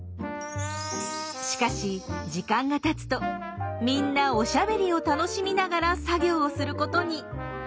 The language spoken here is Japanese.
しかしみんなおしゃべりを楽しみながら作業をすることに。